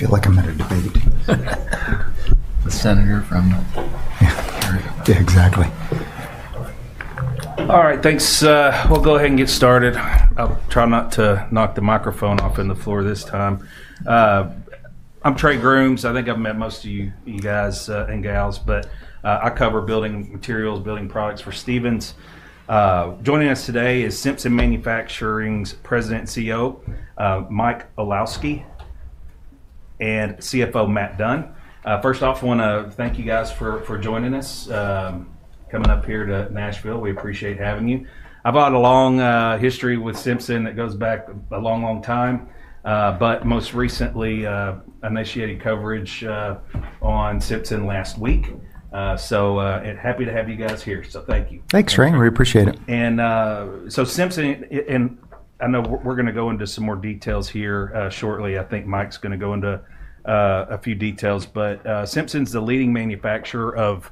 Feel like I'm at a debate. The Senator from. Yeah. Yeah, exactly. All right, thanks. We'll go ahead and get started. I'll try not to knock the microphone off in the floor this time. I'm Trey Grooms. I think I've met most of you guys and gals, but I cover building materials, building products for Stevens. Joining us today is Simpson Manufacturing's President and CEO, Mike Olosky, and CFO, Matt Dunn. First off, I want to thank you guys for joining us. Coming up here to Nashville, we appreciate having you. I've had a long history with Simpson that goes back a long, long time, but most recently initiated coverage on Simpson last week. Happy to have you guys here. Thank you. Thanks, Trey. We appreciate it. Simpson, and I know we're going to go into some more details here shortly. I think Mike's going to go into a few details, but Simpson's the leading manufacturer of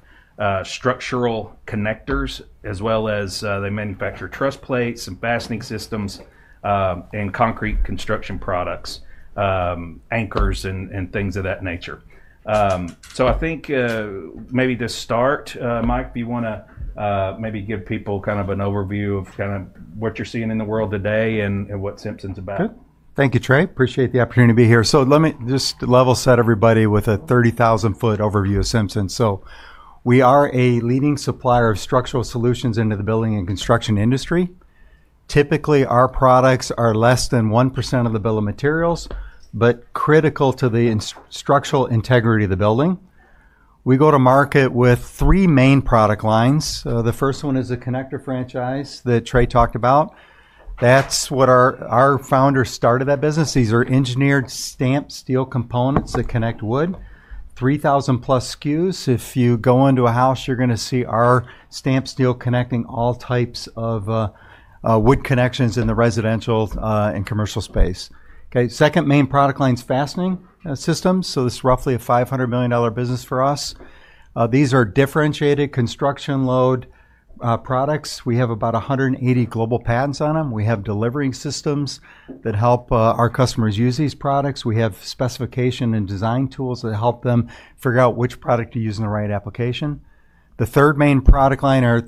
structural connectors, as well as they manufacture truss plates, and fastening systems, and concrete construction products, anchors, and things of that nature. I think maybe to start, Mike, do you want to maybe give people kind of an overview of kind of what you're seeing in the world today and what Simpson's about? Thank you, Trey. Appreciate the opportunity to be here. Let me just level set everybody with a 30,000-foot overview of Simpson. We are a leading supplier of structural solutions into the building and construction industry. Typically, our products are less than 1% of the bill of materials, but critical to the structural integrity of the building. We go to market with three main product lines. The first one is a connector franchise that Trey talked about. That's what our founders started that business. These are engineered stamped steel components that connect wood, 3,000-plus SKUs. If you go into a house, you're going to see our stamped steel connecting all types of wood connections in the residential and commercial space. The second main product line is fastening systems. This is roughly a $500 million business for us. These are differentiated construction load products. We have about 180 global patents on them. We have delivering systems that help our customers use these products. We have specification and design tools that help them figure out which product to use in the right application. The third main product line are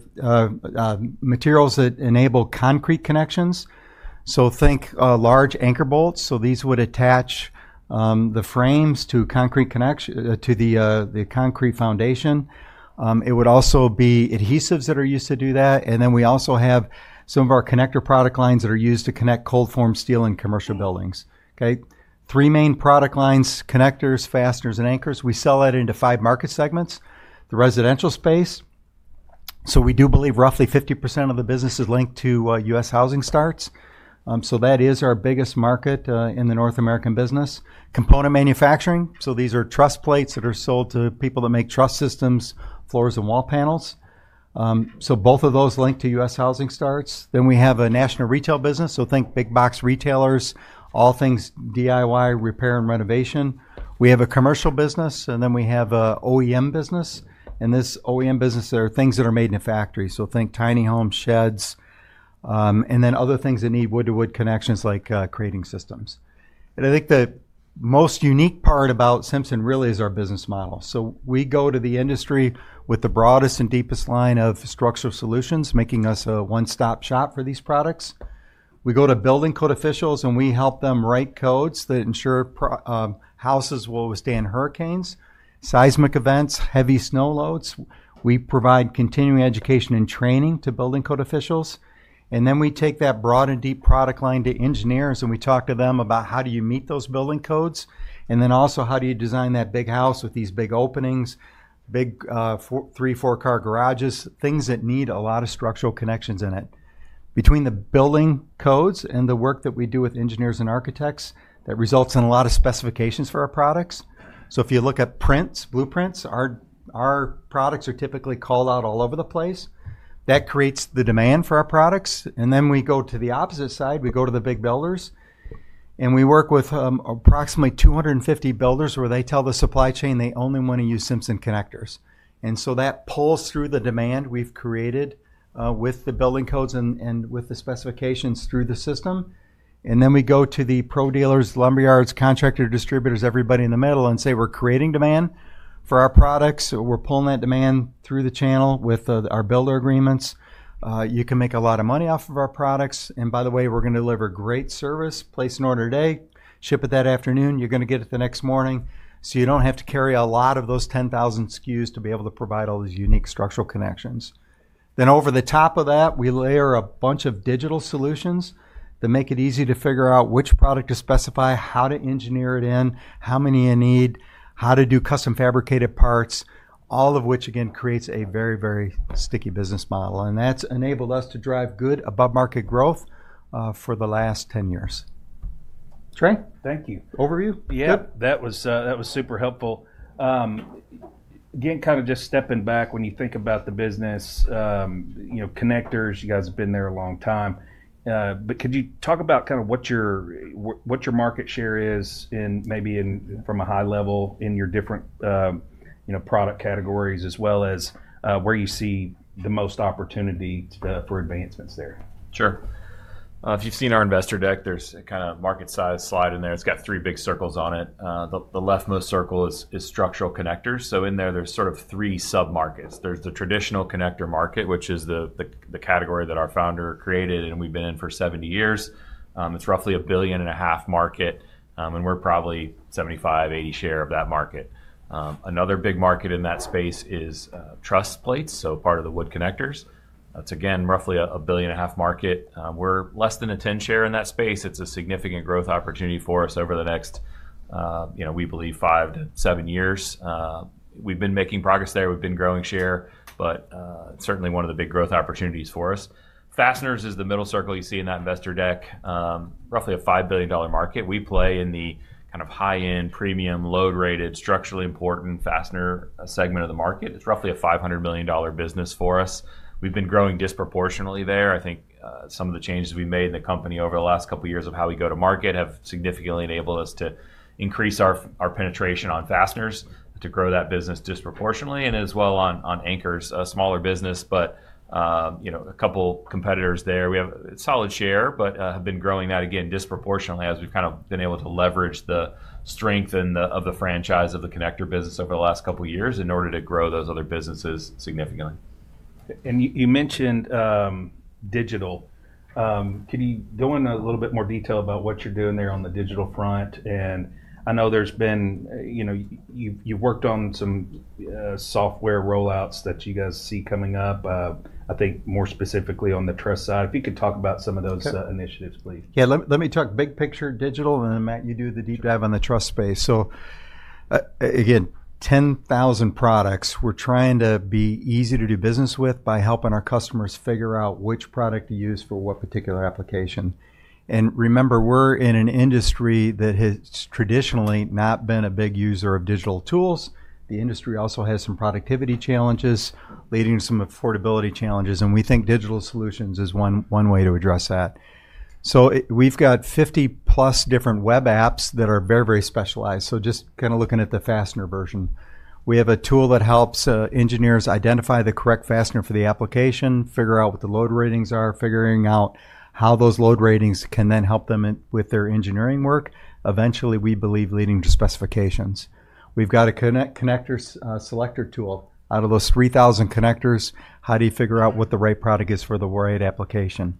materials that enable concrete connections. Think large anchor bolts. These would attach the frames to the concrete foundation. It would also be adhesives that are used to do that. We also have some of our connector product lines that are used to connect cold-form steel in commercial buildings. Three main product lines: connectors, fasteners, and anchors. We sell that into five market segments: the residential space. We do believe roughly 50% of the business is linked to U.S. housing starts. That is our biggest market in the North American business. Component manufacturing. These are truss plates that are sold to people that make truss systems, floors, and wall panels. Both of those link to U.S. housing starts. We have a national retail business. Think big box retailers, all things DIY, repair, and renovation. We have a commercial business, and we have an OEM business. In this OEM business, there are things that are made in a factory. Think tiny homes, sheds, and other things that need wood-to-wood connections like crating systems. I think the most unique part about Simpson really is our business model. We go to the industry with the broadest and deepest line of structural solutions, making us a one-stop shop for these products. We go to building code officials, and we help them write codes that ensure houses will withstand hurricanes, seismic events, heavy snow loads. We provide continuing education and training to building code officials. We take that broad and deep product line to engineers, and we talk to them about how do you meet those building codes, and also how do you design that big house with these big openings, big three, four-car garages, things that need a lot of structural connections in it. Between the building codes and the work that we do with engineers and architects, that results in a lot of specifications for our products. If you look at prints, blueprints, our products are typically called out all over the place. That creates the demand for our products. We go to the opposite side. We go to the big builders, and we work with approximately 250 builders where they tell the supply chain they only want to use Simpson connectors. That pulls through the demand we've created with the building codes and with the specifications through the system. We go to the pro dealers, lumber yards, contractors, distributors, everybody in the middle and say, "We're creating demand for our products. We're pulling that demand through the channel with our builder agreements. You can make a lot of money off of our products. And by the way, we're going to deliver great service. Place an order today, ship it that afternoon. You're going to get it the next morning." You do not have to carry a lot of those 10,000 SKUs to be able to provide all these unique structural connections. Over the top of that, we layer a bunch of digital solutions that make it easy to figure out which product to specify, how to engineer it in, how many you need, how to do custom fabricated parts, all of which, again, creates a very, very sticky business model. That has enabled us to drive good above-market growth for the last 10 years. Trey? Thank you. Overview? Yeah. That was super helpful. Again, kind of just stepping back, when you think about the business, connectors, you guys have been there a long time. Could you talk about kind of what your market share is, maybe from a high level, in your different product categories, as well as where you see the most opportunity for advancements there? Sure. If you've seen our investor deck, there's a kind of market size slide in there. It's got three big circles on it. The leftmost circle is structural connectors. In there, there's sort of three sub-markets. There's the traditional connector market, which is the category that our founder created, and we've been in for 70 years. It's roughly a $1.5 billion market, and we're probably 75%-80% share of that market. Another big market in that space is truss plates, part of the wood connectors. It's, again, roughly a $1.5 billion market. We're less than a 10% share in that space. It's a significant growth opportunity for us over the next, we believe, five to seven years. We've been making progress there. We've been growing share, but certainly one of the big growth opportunities for us. Fasteners is the middle circle you see in that investor deck, roughly a $5 billion market. We play in the kind of high-end, premium, load-rated, structurally important fastener segment of the market. It's roughly a $500 million business for us. We've been growing disproportionately there. I think some of the changes we've made in the company over the last couple of years of how we go to market have significantly enabled us to increase our penetration on fasteners to grow that business disproportionately and as well on anchors, a smaller business, but a couple of competitors there. We have a solid share, but have been growing that, again, disproportionately as we've kind of been able to leverage the strength of the franchise of the connector business over the last couple of years in order to grow those other businesses significantly. You mentioned digital. Can you go into a little bit more detail about what you're doing there on the digital front? I know there's been, you've worked on some software rollouts that you guys see coming up, I think more specifically on the truss side. If you could talk about some of those initiatives, please. Yeah. Let me talk big picture digital, and then, Matt, you do the deep dive on the truss space. Again, 10,000 products. We're trying to be easy to do business with by helping our customers figure out which product to use for what particular application. Remember, we're in an industry that has traditionally not been a big user of digital tools. The industry also has some productivity challenges leading to some affordability challenges, and we think digital solutions is one way to address that. We've got 50-plus different web apps that are very, very specialized. Just kind of looking at the fastener version, we have a tool that helps engineers identify the correct fastener for the application, figure out what the load ratings are, figuring out how those load ratings can then help them with their engineering work, eventually, we believe, leading to specifications. We've got a connector selector tool. Out of those 3,000 connectors, how do you figure out what the right product is for the warrior application?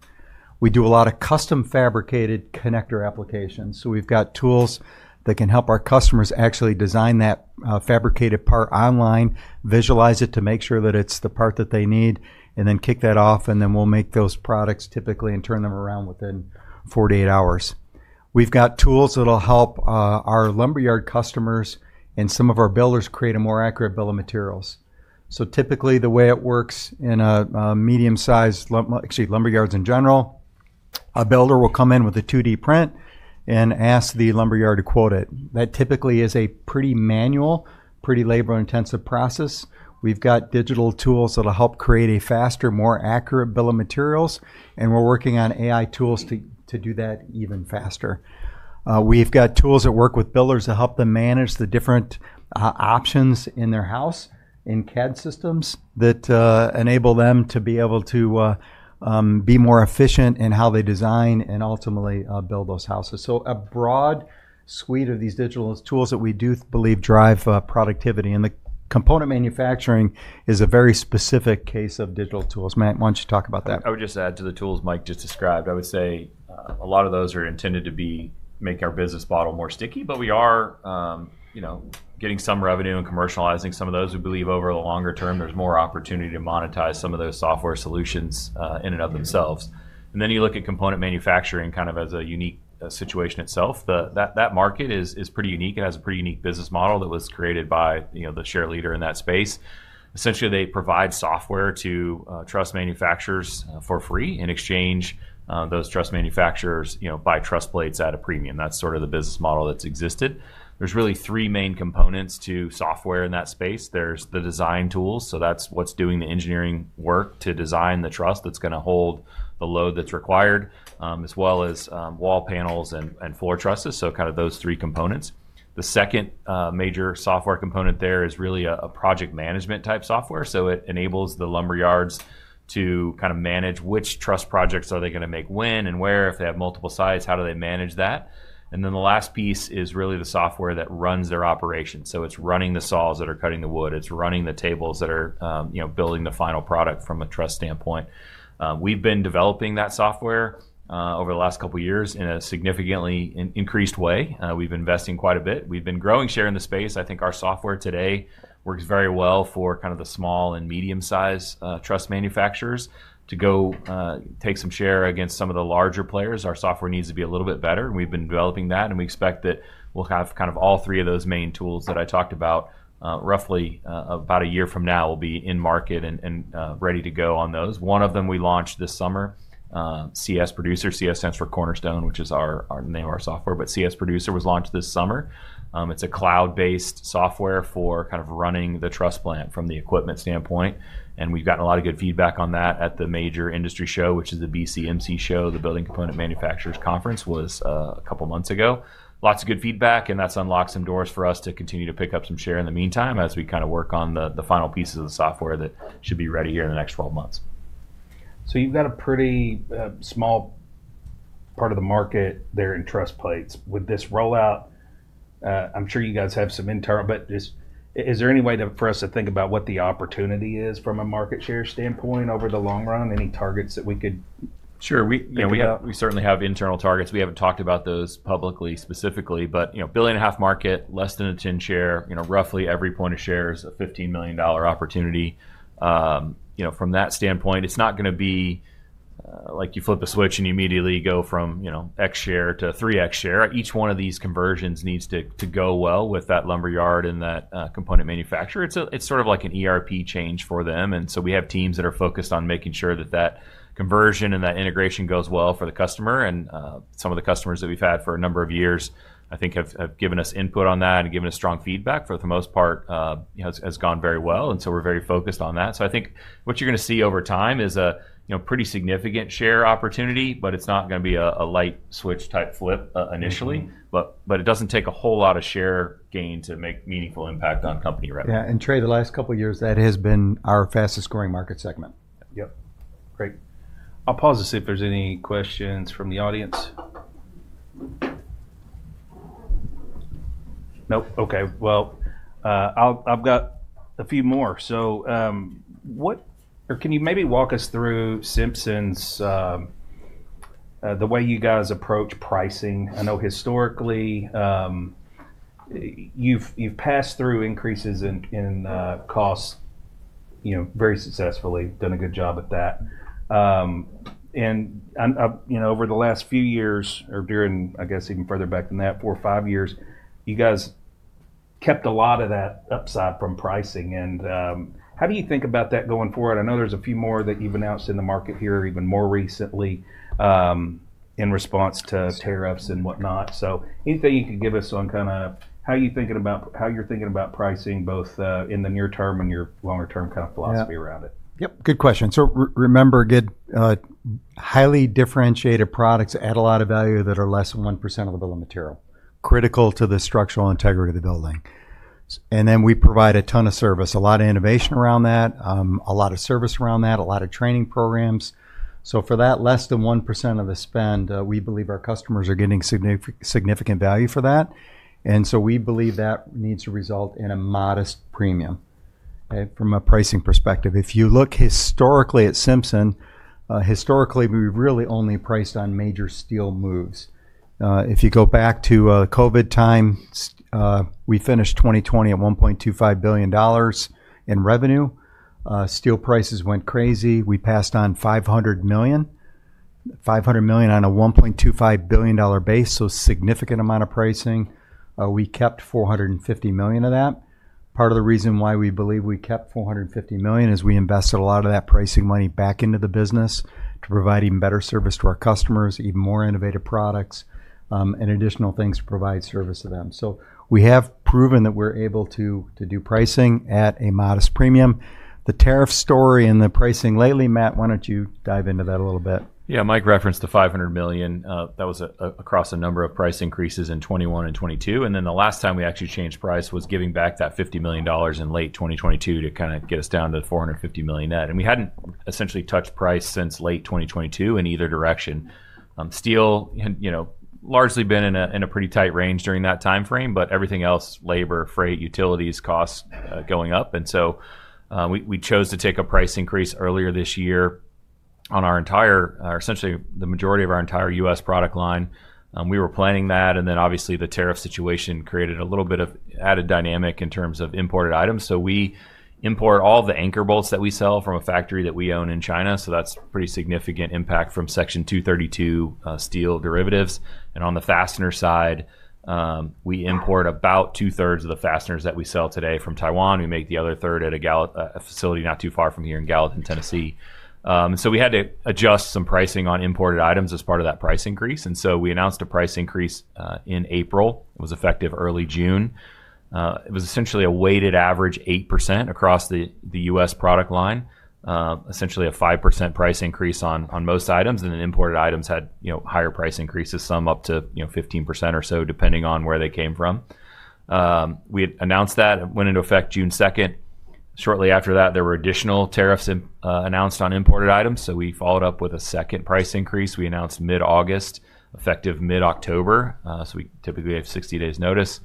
We do a lot of custom fabricated connector applications. We've got tools that can help our customers actually design that fabricated part online, visualize it to make sure that it's the part that they need, and then kick that off, and then we'll make those products typically and turn them around within 48 hours. We've got tools that'll help our lumber yard customers and some of our builders create a more accurate bill of materials. Typically, the way it works in a medium-sized, actually, lumber yards in general, a builder will come in with a 2D print and ask the lumber yard to quote it. That typically is a pretty manual, pretty labor-intensive process. We've got digital tools that'll help create a faster, more accurate bill of materials, and we're working on AI tools to do that even faster. We've got tools that work with builders to help them manage the different options in their house in CAD systems that enable them to be able to be more efficient in how they design and ultimately build those houses. A broad suite of these digital tools that we do believe drive productivity. The component manufacturing is a very specific case of digital tools. Matt, why don't you talk about that? I would just add to the tools Mike just described. I would say a lot of those are intended to make our business model more sticky, but we are getting some revenue and commercializing some of those. We believe over the longer term, there's more opportunity to monetize some of those software solutions in and of themselves. You look at component manufacturing kind of as a unique situation itself. That market is pretty unique. It has a pretty unique business model that was created by the share leader in that space. Essentially, they provide software to truss manufacturers for free in exchange. Those truss manufacturers buy truss plates at a premium. That's sort of the business model that's existed. There are really three main components to software in that space. There's the design tools. That's what's doing the engineering work to design the truss that's going to hold the load that's required, as well as wall panels and floor trusses. Kind of those three components. The second major software component there is really a project management type software. It enables the lumber yards to kind of manage which truss projects are they going to make when and where. If they have multiple sites, how do they manage that? The last piece is really the software that runs their operation. It is running the saws that are cutting the wood. It is running the tables that are building the final product from a truss standpoint. We have been developing that software over the last couple of years in a significantly increased way. We have invested quite a bit. We have been growing share in the space. I think our software today works very well for kind of the small and medium-sized truss manufacturers to go take some share against some of the larger players. Our software needs to be a little bit better. We've been developing that, and we expect that we'll have kind of all three of those main tools that I talked about roughly about a year from now will be in market and ready to go on those. One of them we launched this summer, CS Producer, CS stands for Cornerstone, which is the name of our software, but CS Producer was launched this summer. It's a cloud-based software for kind of running the truss plant from the equipment standpoint. We've gotten a lot of good feedback on that at the major industry show, which is the BCMC show, the Building Component Manufacturers Conference, was a couple of months ago. Lots of good feedback, and that has unlocked some doors for us to continue to pick up some share in the meantime as we kind of work on the final pieces of the software that should be ready here in the next 12 months. You've got a pretty small part of the market there in truss plates. With this rollout, I'm sure you guys have some internal, but is there any way for us to think about what the opportunity is from a market share standpoint over the long run? Any targets that we could? Sure. We certainly have internal targets. We haven't talked about those publicly specifically, but billion and a half market, less than a 10% share, roughly every point of share is a $15 million opportunity. From that standpoint, it's not going to be like you flip a switch and you immediately go from X share to 3X share. Each one of these conversions needs to go well with that lumber yard and that component manufacturer. It's sort of like an ERP change for them. We have teams that are focused on making sure that that conversion and that integration goes well for the customer. Some of the customers that we've had for a number of years, I think, have given us input on that and given us strong feedback. For the most part, it has gone very well. We are very focused on that. I think what you're going to see over time is a pretty significant share opportunity, but it's not going to be a light switch type flip initially. But it doesn't take a whole lot of share gain to make meaningful impact on company revenue. Yeah. Trey, the last couple of years, that has been our fastest-growing market segment. Yep. Great. I'll pause this if there's any questions from the audience. Nope. Okay. I've got a few more. Can you maybe walk us through Simpson's, the way you guys approach pricing? I know historically, you've passed through increases in costs very successfully, done a good job at that. Over the last few years, or during, I guess, even further back than that, four or five years, you guys kept a lot of that upside from pricing. How do you think about that going forward? I know there's a few more that you've announced in the market here even more recently in response to tariffs and whatnot. Anything you can give us on kind of how you're thinking about pricing, both in the near term and your longer-term kind of philosophy around it? Yep. Good question. Remember, highly differentiated products add a lot of value that are less than 1% of the bill of material, critical to the structural integrity of the building. We provide a ton of service, a lot of innovation around that, a lot of service around that, a lot of training programs. For that less than 1% of the spend, we believe our customers are getting significant value for that. We believe that needs to result in a modest premium from a pricing perspective. If you look historically at Simpson, historically, we really only priced on major steel moves. If you go back to COVID time, we finished 2020 at $1.25 billion in revenue. Steel prices went crazy. We passed on $500 million, $500 million on a $1.25 billion base, so a significant amount of pricing. We kept $450 million of that. Part of the reason why we believe we kept $450 million is we invested a lot of that pricing money back into the business to provide even better service to our customers, even more innovative products, and additional things to provide service to them. We have proven that we're able to do pricing at a modest premium. The tariff story and the pricing lately, Matt, why don't you dive into that a little bit? Yeah. Mike referenced the $500 million. That was across a number of price increases in 2021 and 2022. The last time we actually changed price was giving back that $50 million in late 2022 to kind of get us down to $450 million net. We had not essentially touched price since late 2022 in either direction. Steel had largely been in a pretty tight range during that timeframe, but everything else, labor, freight, utilities, costs going up. We chose to take a price increase earlier this year on essentially the majority of our entire US product line. We were planning that. Obviously, the tariff situation created a little bit of added dynamic in terms of imported items. We import all the anchor bolts that we sell from a factory that we own in China. That's a pretty significant impact from Section 232 steel derivatives. On the fastener side, we import about two-thirds of the fasteners that we sell today from Taiwan. We make the other third at a facility not too far from here in Gallatin, Tennessee. We had to adjust some pricing on imported items as part of that price increase. We announced a price increase in April. It was effective early June. It was essentially a weighted average 8% across the US product line, essentially a 5% price increase on most items. Imported items had higher price increases, some up to 15% or so, depending on where they came from. We announced that. It went into effect June 2. Shortly after that, there were additional tariffs announced on imported items. We followed up with a second price increase. We announced mid-August, effective mid-October. We typically have 60 days notice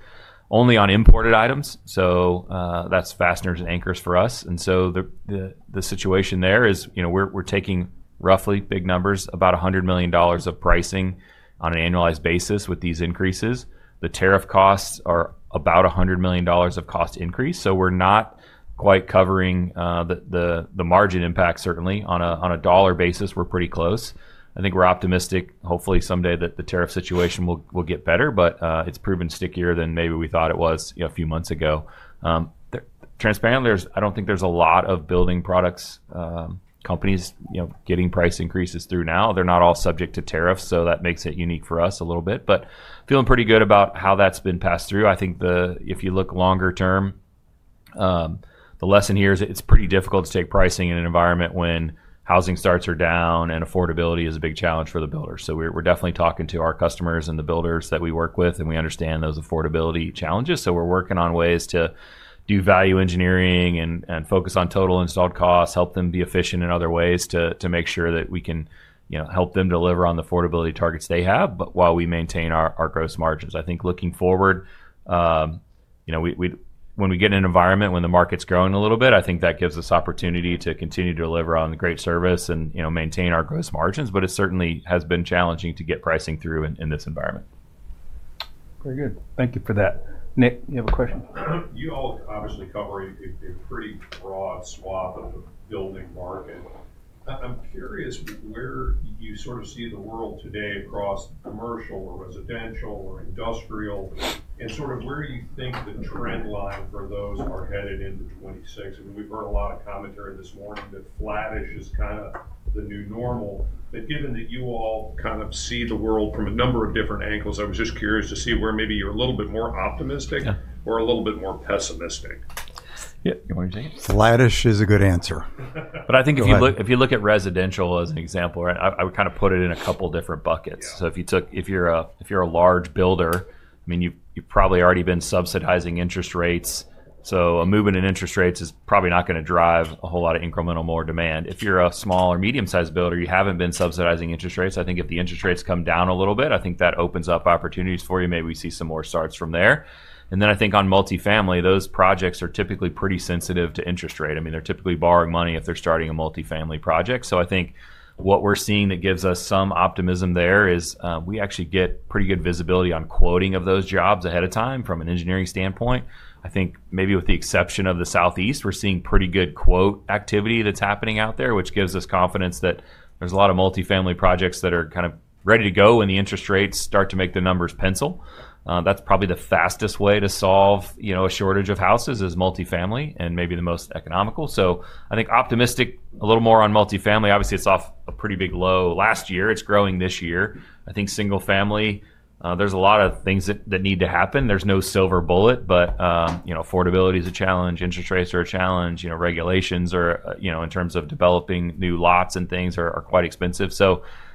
only on imported items. That is fasteners and anchors for us. The situation there is we are taking roughly big numbers, about $100 million of pricing on an annualized basis with these increases. The tariff costs are about $100 million of cost increase. We are not quite covering the margin impact, certainly. On a dollar basis, we are pretty close. I think we are optimistic, hopefully someday, that the tariff situation will get better, but it has proven stickier than maybe we thought it was a few months ago. Transparently, I do not think there are a lot of building products companies getting price increases through now. They are not all subject to tariffs, so that makes it unique for us a little bit. Feeling pretty good about how that has been passed through. I think if you look longer term, the lesson here is it's pretty difficult to take pricing in an environment when housing starts are down and affordability is a big challenge for the builders. We're definitely talking to our customers and the builders that we work with, and we understand those affordability challenges. We're working on ways to do value engineering and focus on total installed costs, help them be efficient in other ways to make sure that we can help them deliver on the affordability targets they have while we maintain our gross margins. I think looking forward, when we get in an environment when the market's growing a little bit, I think that gives us opportunity to continue to deliver on the great service and maintain our gross margins. It certainly has been challenging to get pricing through in this environment. Very good. Thank you for that. Nick, you have a question? You all obviously cover a pretty broad swath of the building market. I'm curious where you sort of see the world today across commercial or residential or industrial and sort of where you think the trend line for those are headed into 2026. I mean, we've heard a lot of commentary this morning that flattish is kind of the new normal. Given that you all kind of see the world from a number of different angles, I was just curious to see where maybe you're a little bit more optimistic or a little bit more pessimistic. Yeah. You want to take it? Flattish is a good answer. I think if you look at residential as an example, I would kind of put it in a couple of different buckets. If you're a large builder, I mean, you've probably already been subsidizing interest rates. A movement in interest rates is probably not going to drive a whole lot of incremental more demand. If you're a small or medium-sized builder, you haven't been subsidizing interest rates. I think if the interest rates come down a little bit, I think that opens up opportunities for you. Maybe we see some more starts from there. I think on multifamily, those projects are typically pretty sensitive to interest rate. I mean, they're typically borrowing money if they're starting a multifamily project. I think what we're seeing that gives us some optimism there is we actually get pretty good visibility on quoting of those jobs ahead of time from an engineering standpoint. I think maybe with the exception of the Southeast, we're seeing pretty good quote activity that's happening out there, which gives us confidence that there's a lot of multifamily projects that are kind of ready to go when the interest rates start to make the numbers pencil. That's probably the fastest way to solve a shortage of houses is multifamily and maybe the most economical. I think optimistic a little more on multifamily. Obviously, it's off a pretty big low last year. It's growing this year. I think single-family, there's a lot of things that need to happen. There's no silver bullet, but affordability is a challenge. Interest rates are a challenge. Regulations in terms of developing new lots and things are quite expensive.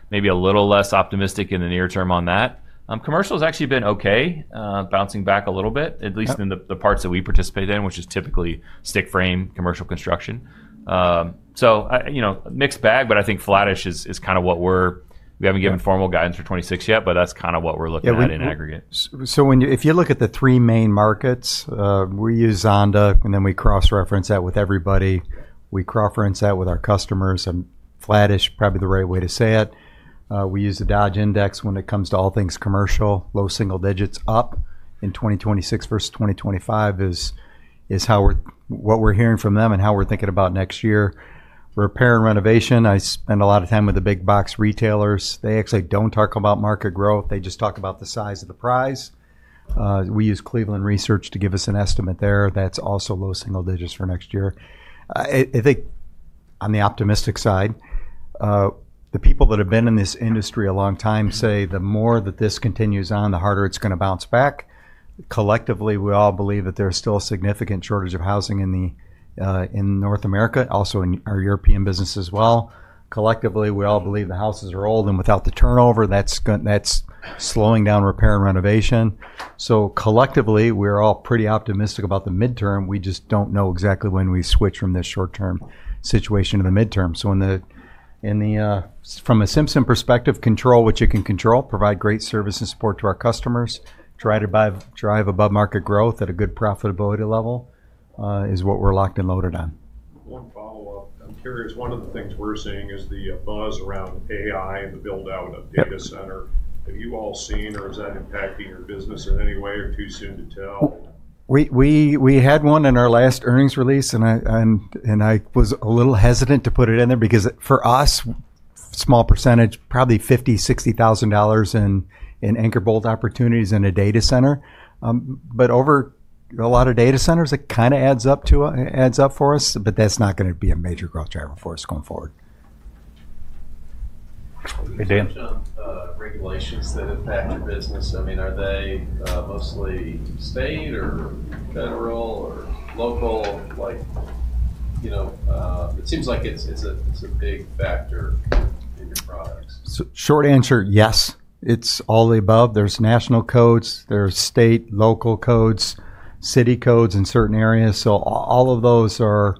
Maybe a little less optimistic in the near term on that. Commercial has actually been okay, bouncing back a little bit, at least in the parts that we participate in, which is typically stick frame commercial construction. Mixed bag, but I think flattish is kind of what we're we haven't given formal guidance for 2026 yet, but that's kind of what we're looking at in aggregate. If you look at the three main markets, we use Zonda, and then we cross-reference that with everybody. We cross-reference that with our customers. Flattish, probably the right way to say it. We use the Dodge Index when it comes to all things commercial. Low single digits up in 2026 versus 2025 is what we're hearing from them and how we're thinking about next year. Repair and renovation, I spend a lot of time with the big box retailers. They actually do not talk about market growth. They just talk about the size of the price. We use Cleveland Research to give us an estimate there. That is also low single digits for next year. I think on the optimistic side, the people that have been in this industry a long time say the more that this continues on, the harder it's going to bounce back. Collectively, we all believe that there's still a significant shortage of housing in North America, also in our European business as well. Collectively, we all believe the houses are old and without the turnover, that's slowing down repair and renovation. Collectively, we're all pretty optimistic about the midterm. We just don't know exactly when we switch from this short-term situation to the midterm. From a Simpson perspective, control what you can control, provide great service and support to our customers, try to drive above-market growth at a good profitability level is what we're locked and loaded on. One follow-up. I'm curious. One of the things we're seeing is the buzz around AI and the build-out of data center. Have you all seen, or is that impacting your business in any way or too soon to tell? We had one in our last earnings release, and I was a little hesitant to put it in there because for us, small percentage, probably $50,000-$60,000 in anchor bolt opportunities in a data center. Over a lot of data centers, it kind of adds up for us, but that's not going to be a major growth driver for us going forward. Hey, Dan. Regulations that impact your business, I mean, are they mostly state or federal or local? It seems like it's a big factor in your products. Short answer, yes. It's all the above. There are national codes. There are state, local codes, city codes in certain areas. All of those are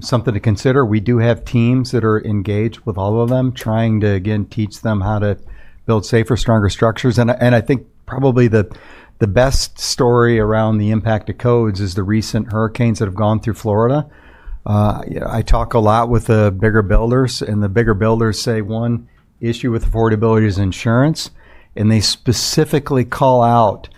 something to consider. We do have teams that are engaged with all of them trying to, again, teach them how to build safer, stronger structures. I think probably the best story around the impact of codes is the recent hurricanes that have gone through Florida. I talk a lot with the bigger builders, and the bigger builders say one issue with affordability is insurance. They specifically call out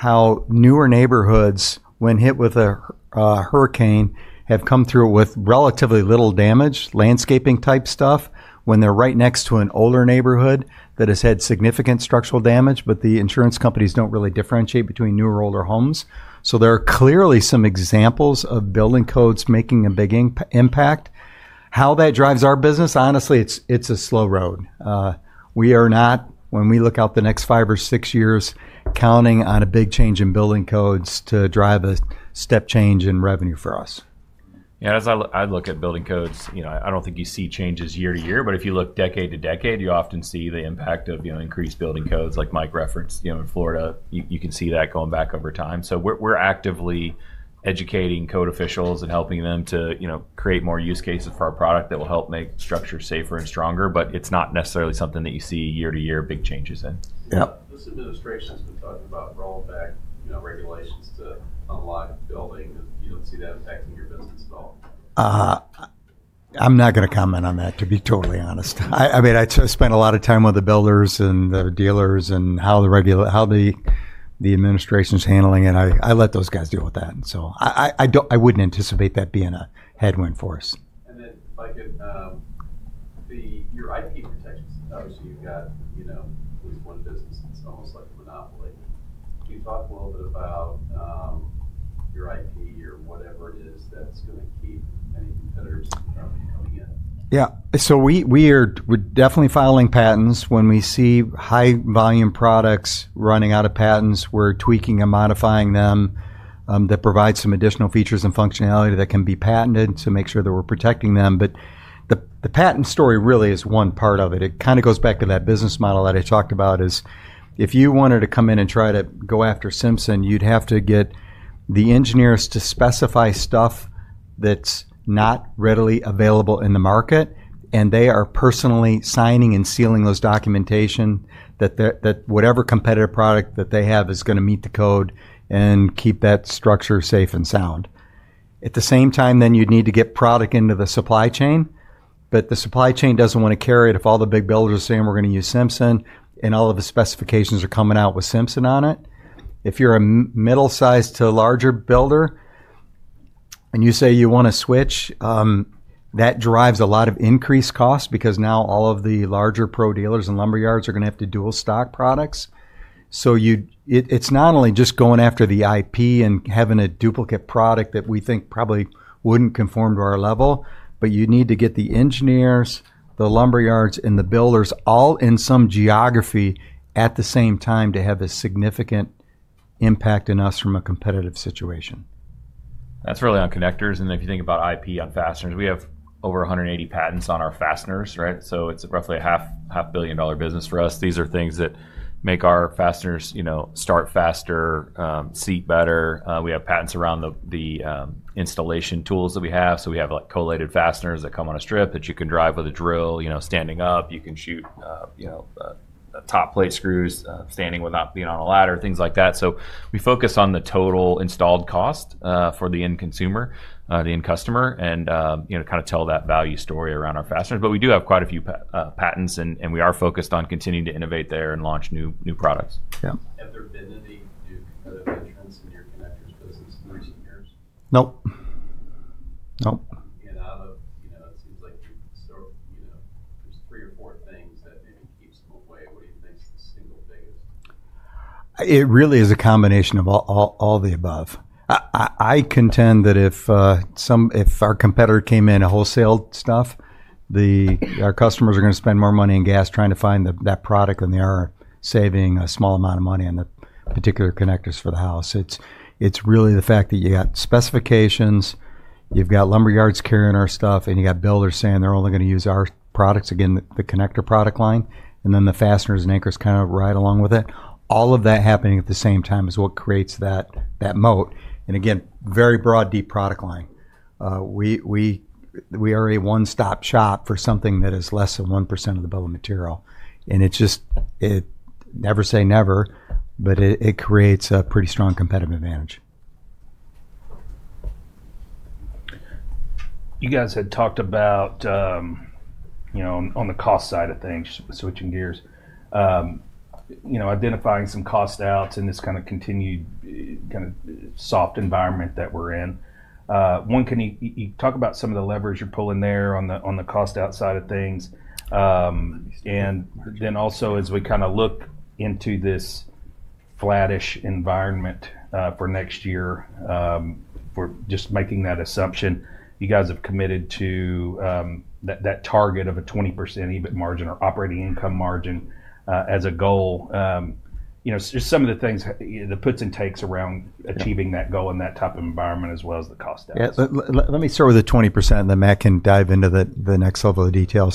how newer neighborhoods, when hit with a hurricane, have come through with relatively little damage, landscaping-type stuff, when they're right next to an older neighborhood that has had significant structural damage. The insurance companies do not really differentiate between newer or older homes. There are clearly some examples of building codes making a big impact. How that drives our business? Honestly, it's a slow road. We are not, when we look out the next five or six years, counting on a big change in building codes to drive a step change in revenue for us. Yeah. As I look at building codes, I do not think you see changes year-to-year. If you look decade to decade, you often see the impact of increased building codes, like Mike referenced in Florida. You can see that going back over time. We are actively educating code officials and helping them to create more use cases for our product that will help make structures safer and stronger. It is not necessarily something that you see year t- year big changes in. This administration has been talking about rolling back regulations to unlock building. You do not see that impacting your business at all? I'm not going to comment on that, to be totally honest. I mean, I spent a lot of time with the builders and the dealers and how the administration is handling it. I let those guys deal with that. I wouldn't anticipate that being a headwind for us. Your IP protection stuff. Obviously, you've got at least one business. It's almost like a monopoly. Can you talk a little bit about your IP, your whatever it is that's going to keep any competitors from coming in? Yeah. So we're definitely filing patents when we see high-volume products running out of patents. We're tweaking and modifying them that provide some additional features and functionality that can be patented to make sure that we're protecting them. The patent story really is one part of it. It kind of goes back to that business model that I talked about. If you wanted to come in and try to go after Simpson, you'd have to get the engineers to specify stuff that's not readily available in the market. They are personally signing and sealing those documentation that whatever competitive product that they have is going to meet the code and keep that structure safe and sound. At the same time, then you'd need to get product into the supply chain. The supply chain does not want to carry it if all the big builders are saying, "We're going to use Simpson," and all of the specifications are coming out with Simpson on it. If you are a middle-sized to larger builder and you say you want to switch, that drives a lot of increased costs because now all of the larger pro dealers and lumber yards are going to have to dual stock products. It is not only just going after the IP and having a duplicate product that we think probably would not conform to our level, but you need to get the engineers, the lumber yards, and the builders all in some geography at the same time to have a significant impact on us from a competitive situation. That's really on connectors. If you think about IP on fasteners, we have over 180 patents on our fasteners, right? It's roughly a $500,000,000 business for us. These are things that make our fasteners start faster, seat better. We have patents around the installation tools that we have. We have collated fasteners that come on a strip that you can drive with a drill standing up. You can shoot top plate screws standing without being on a ladder, things like that. We focus on the total installed cost for the end consumer, the end customer, and kind of tell that value story around our fasteners. We do have quite a few patents, and we are focused on continuing to innovate there and launch new products. Have there been any new competitive entrants in your connectors business in recent years? Nope. Nope. Out of, it seems like there's three or four things that maybe keeps them away. What do you think is the single biggest? It really is a combination of all the above. I contend that if our competitor came in wholesale stuff, our customers are going to spend more money in gas trying to find that product than they are saving a small amount of money on the particular connectors for the house. It is really the fact that you got specifications, you have got lumber yards carrying our stuff, and you have got builders saying they are only going to use our products, again, the connector product line, and then the fasteners and anchors kind of ride along with it. All of that happening at the same time is what creates that moat. Again, very broad, deep product line. We are a one-stop shop for something that is less than 1% of the bill of material. It is just, never say never, but it creates a pretty strong competitive advantage. You guys had talked about on the cost side of things, switching gears, identifying some cost outs in this kind of continued kind of soft environment that we're in. You talk about some of the levers you're pulling there on the cost outside of things. Also, as we kind of look into this flattish environment for next year, for just making that assumption, you guys have committed to that target of a 20% EBIT margin or operating income margin as a goal. Just some of the things, the puts and takes around achieving that goal in that type of environment, as well as the cost outs. Yeah. Let me start with the 20%, and then Matt can dive into the next level of detail.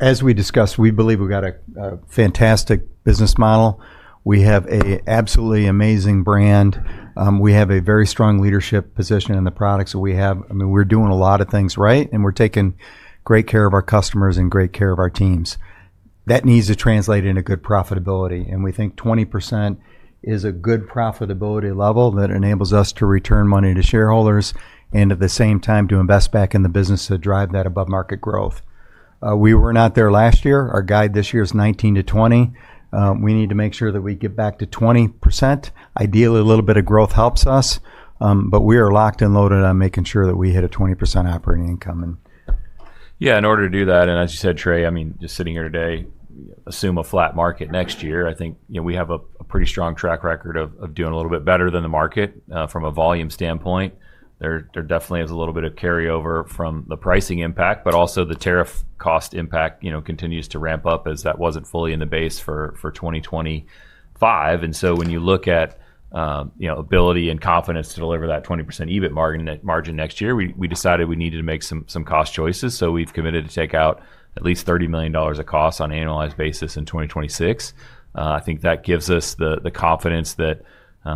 As we discussed, we believe we've got a fantastic business model. We have an absolutely amazing brand. We have a very strong leadership position in the products that we have. I mean, we're doing a lot of things right, and we're taking great care of our customers and great care of our teams. That needs to translate into good profitability. We think 20% is a good profitability level that enables us to return money to shareholders and, at the same time, to invest back in the business to drive that above-market growth. We were not there last year. Our guide this year is 19-20%. We need to make sure that we get back to 20%. Ideally, a little bit of growth helps us, but we are locked and loaded on making sure that we hit a 20% operating income. Yeah. In order to do that, and as you said, Trey, I mean, just sitting here today, assume a flat market next year. I think we have a pretty strong track record of doing a little bit better than the market from a volume standpoint. There definitely is a little bit of carryover from the pricing impact, but also the tariff cost impact continues to ramp up as that was not fully in the base for 2025. When you look at ability and confidence to deliver that 20% EBIT margin next year, we decided we needed to make some cost choices. We have committed to take out at least $30 million of costs on an annualized basis in 2026. I think that gives us the confidence that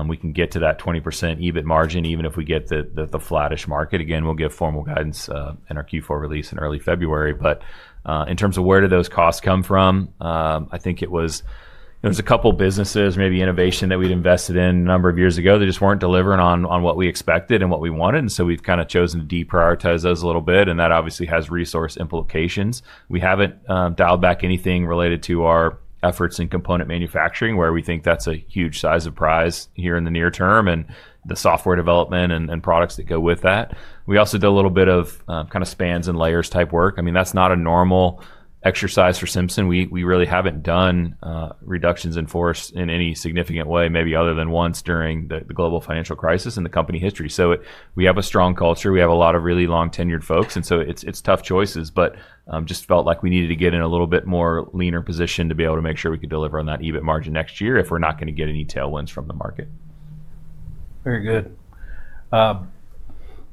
we can get to that 20% EBIT margin even if we get the flattish market. Again, we'll give formal guidance in our Q4 release in early February. In terms of where did those costs come from, I think it was there was a couple of businesses, maybe innovation that we'd invested in a number of years ago that just weren't delivering on what we expected and what we wanted. We've kind of chosen to deprioritize those a little bit. That obviously has resource implications. We haven't dialed back anything related to our efforts in component manufacturing, where we think that's a huge size of prize here in the near term and the software development and products that go with that. We also did a little bit of kind of spans and layers type work. I mean, that's not a normal exercise for Simpson. We really haven't done reductions in force in any significant way, maybe other than once during the global financial crisis in the company history. We have a strong culture. We have a lot of really long-tenured folks. It is tough choices, but just felt like we needed to get in a little bit more leaner position to be able to make sure we could deliver on that EBIT margin next year if we're not going to get any tailwinds from the market. Very good.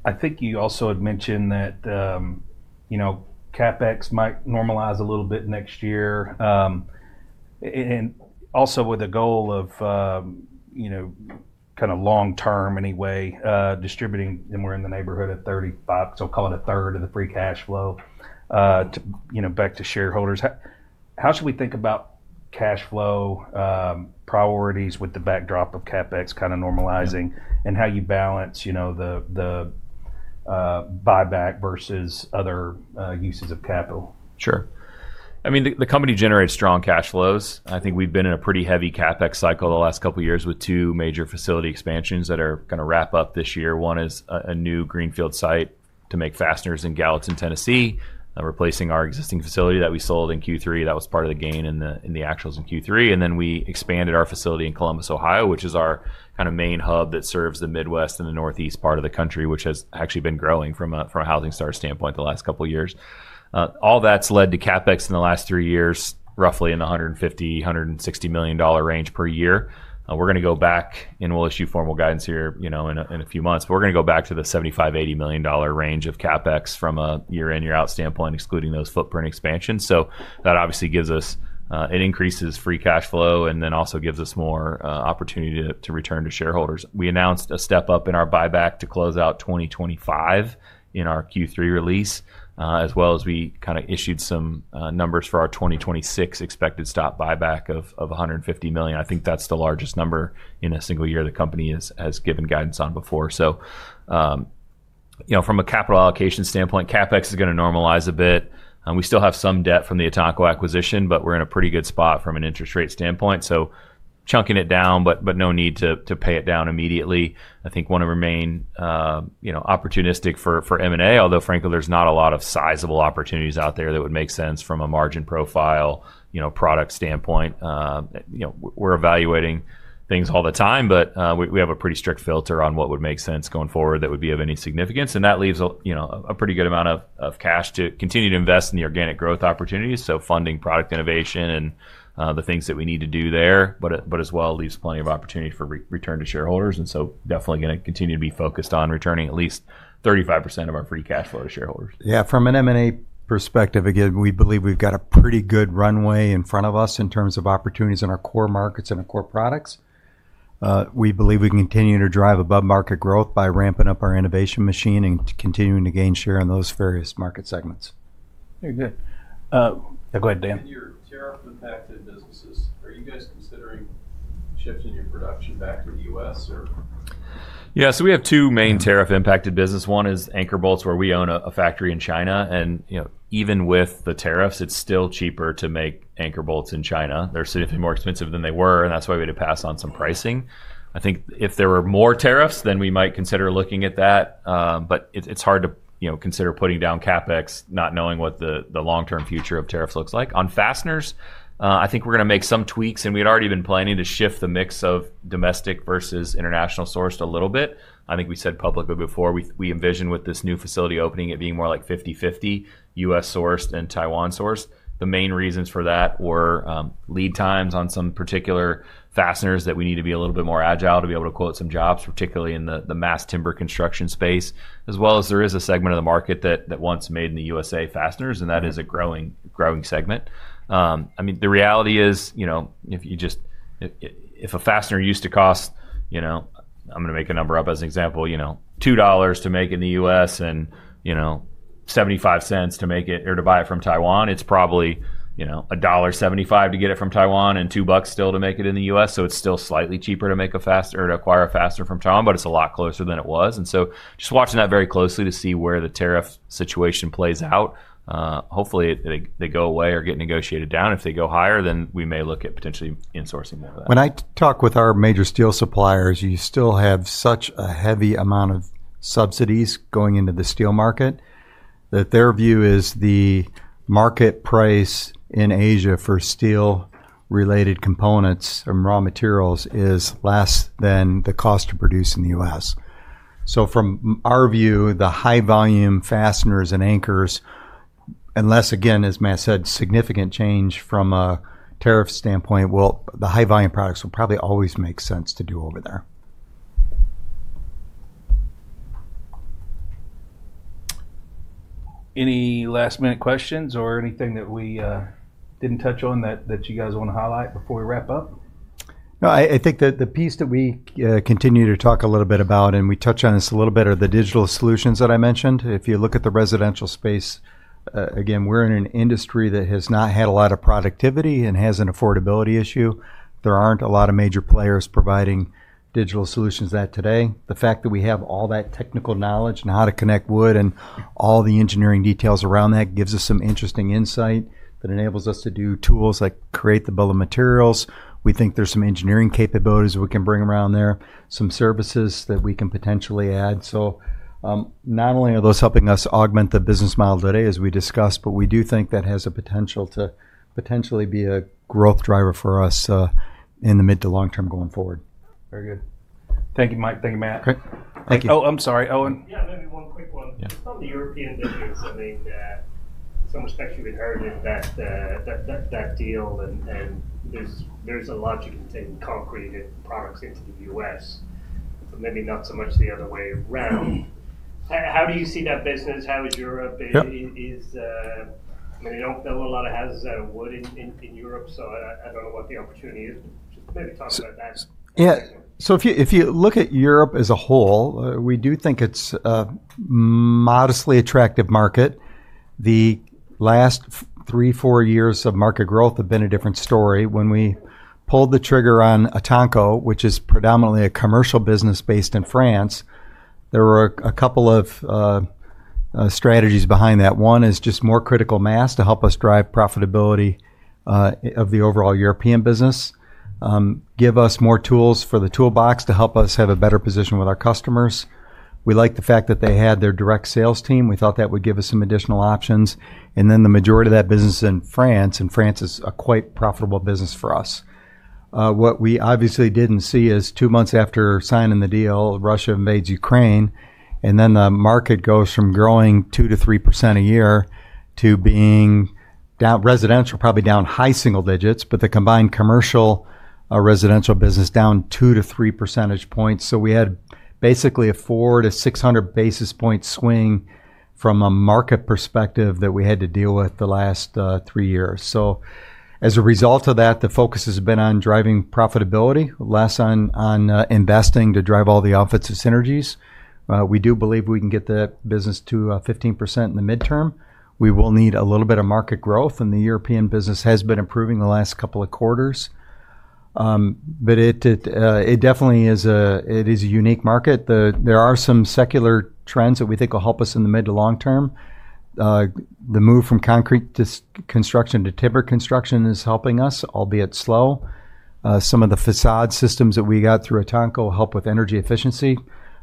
I think you also had mentioned that CapEx might normalize a little bit next year, and also with a goal of kind of long-term anyway, distributing, and we're in the neighborhood of 35, so call it a third of the free cash flow back to shareholders. How should we think about cash flow priorities with the backdrop of CapEx kind of normalizing and how you balance the buyback versus other uses of capital? Sure. I mean, the company generates strong cash flows. I think we've been in a pretty heavy CapEx cycle the last couple of years with two major facility expansions that are going to wrap up this year. One is a new Greenfield site to make fasteners in Gallatin, Tennessee, replacing our existing facility that we sold in Q3. That was part of the gain in the actuals in Q3. Then we expanded our facility in Columbus, Ohio, which is our kind of main hub that serves the Midwest and the Northeast part of the country, which has actually been growing from a housing starts standpoint the last couple of years. All that's led to CapEx in the last three years, roughly in the $150 million-$160 million range per year. We're going to go back, and we'll issue formal guidance here in a few months, but we're going to go back to the $75-$80 million range of CapEx from a year-in year-out standpoint, excluding those footprint expansions. That obviously gives us it increases free cash flow and then also gives us more opportunity to return to shareholders. We announced a step up in our buyback to close out 2025 in our Q3 release, as well as we kind of issued some numbers for our 2026 expected stock buyback of $150 million. I think that's the largest number in a single year the company has given guidance on before. From a capital allocation standpoint, CapEx is going to normalize a bit. We still have some debt from the Ataco acquisition, but we're in a pretty good spot from an interest rate standpoint. Chunking it down, but no need to pay it down immediately. I think one of our main opportunistic for M&A, although frankly, there is not a lot of sizable opportunities out there that would make sense from a margin profile product standpoint. We are evaluating things all the time, but we have a pretty strict filter on what would make sense going forward that would be of any significance. That leaves a pretty good amount of cash to continue to invest in the organic growth opportunities. Funding product innovation and the things that we need to do there, but as well leaves plenty of opportunity for return to shareholders. Definitely going to continue to be focused on returning at least 35% of our free cash flow to shareholders. Yeah. From an M&A perspective, again, we believe we've got a pretty good runway in front of us in terms of opportunities in our core markets and our core products. We believe we can continue to drive above-market growth by ramping up our innovation machine and continuing to gain share in those various market segments. Very good. Go ahead, Dan. In your tariff-impacted businesses, are you guys considering shifting your production back to the U.S. or? Yeah. We have two main tariff-impacted businesses. One is anchor bolts, where we own a factory in China. Even with the tariffs, it is still cheaper to make anchor bolts in China. They are significantly more expensive than they were, and that is why we had to pass on some pricing. I think if there were more tariffs, we might consider looking at that. It is hard to consider putting down CapEx not knowing what the long-term future of tariffs looks like. On fasteners, I think we are going to make some tweaks, and we had already been planning to shift the mix of domestic versus international sourced a little bit. I think we said publicly before, we envision with this new facility opening it being more like 50/50 US sourced and Taiwan sourced. The main reasons for that were lead times on some particular fasteners that we need to be a little bit more agile to be able to quote some jobs, particularly in the mass timber construction space, as well as there is a segment of the market that wants made in the USA fasteners, and that is a growing segment. I mean, the reality is if you just, if a fastener used to cost, I'm going to make a number up as an example, $2 to make in the US and $0.75 to make it or to buy it from Taiwan, it's probably $1.75 to get it from Taiwan and $2 still to make it in the US. So it's still slightly cheaper to make a fastener or to acquire a fastener from Taiwan, but it's a lot closer than it was. Just watching that very closely to see where the tariff situation plays out. Hopefully, they go away or get negotiated down. If they go higher, then we may look at potentially insourcing more of that. When I talk with our major steel suppliers, you still have such a heavy amount of subsidies going into the steel market that their view is the market price in Asia for steel-related components and raw materials is less than the cost to produce in the U.S. From our view, the high-volume fasteners and anchors, unless, again, as Matt said, significant change from a tariff standpoint, the high-volume products will probably always make sense to do over there. Any last-minute questions or anything that we did not touch on that you guys want to highlight before we wrap up? No, I think that the piece that we continue to talk a little bit about, and we touch on this a little bit, are the digital solutions that I mentioned. If you look at the residential space, again, we're in an industry that has not had a lot of productivity and has an affordability issue. There aren't a lot of major players providing digital solutions that today. The fact that we have all that technical knowledge and how to connect wood and all the engineering details around that gives us some interesting insight that enables us to do tools like create the bill of materials. We think there's some engineering capabilities we can bring around there, some services that we can potentially add. Not only are those helping us augment the business model today, as we discussed, but we do think that has a potential to potentially be a growth driver for us in the mid to long term going forward. Very good. Thank you, Mike. Thank you, Matt. Okay. Thank you. Oh, I'm sorry. Owen. Yeah, maybe one quick one. Just on the European business, I mean, in some respect, you've inherited that deal, and there's a lot you can take concrete and products into the U.S., but maybe not so much the other way around. How do you see that business? How is Europe? I mean, they don't build a lot of houses out of wood in Europe, so I don't know what the opportunity is, but just maybe talk about that. Yeah. If you look at Europe as a whole, we do think it is a modestly attractive market. The last three or four years of market growth have been a different story. When we pulled the trigger on Ataco, which is predominantly a commercial business based in France, there were a couple of strategies behind that. One is just more critical mass to help us drive profitability of the overall European business, give us more tools for the toolbox to help us have a better position with our customers. We liked the fact that they had their direct sales team. We thought that would give us some additional options. The majority of that business is in France, and France is a quite profitable business for us. What we obviously did not see is two months after signing the deal, Russia invades Ukraine, and then the market goes from growing 2-3% a year to being residential, probably down high single digits, but the combined commercial residential business down 2-3 percentage points. We had basically a 4-600 basis point swing from a market perspective that we had to deal with the last three years. As a result of that, the focus has been on driving profitability, less on investing to drive all the offensive synergies. We do believe we can get that business to 15% in the midterm. We will need a little bit of market growth, and the European business has been improving the last couple of quarters. It definitely is a unique market. There are some secular trends that we think will help us in the mid to long term. The move from concrete construction to timber construction is helping us, albeit slow. Some of the facade systems that we got through Ataco help with energy efficiency.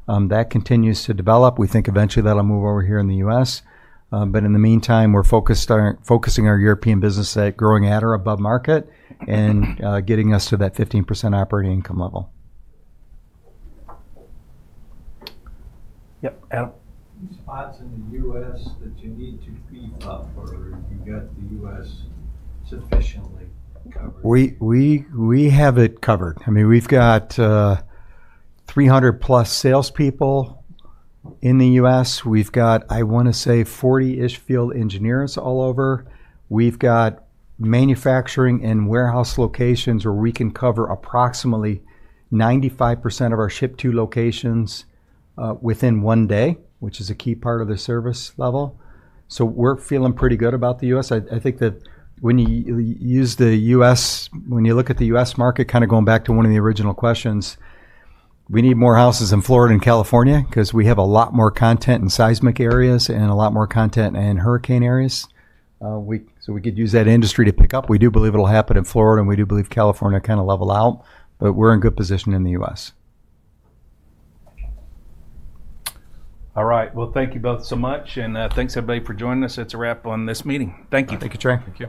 That continues to develop. We think eventually that will move over here in the U.S. In the meantime, we are focusing our European business at growing at or above market and getting us to that 15% operating income level. Yep. Adam? Any spots in the U.S. that you need to beef up or you've got the U.S. sufficiently covered? We have it covered. I mean, we've got 300-plus salespeople in the U.S. We've got, I want to say, 40-ish field engineers all over. We've got manufacturing and warehouse locations where we can cover approximately 95% of our ship-to locations within one day, which is a key part of the service level. So we're feeling pretty good about the U.S. I think that when you use the U.S., when you look at the U.S. market, kind of going back to one of the original questions, we need more houses in Florida and California because we have a lot more content in seismic areas and a lot more content in hurricane areas. So we could use that industry to pick up. We do believe it'll happen in Florida, and we do believe California kind of level out, but we're in good position in the U.S. All right. Thank you both so much, and thanks, everybody, for joining us. That's a wrap on this meeting. Thank you. Thank you, Chair. Thank you.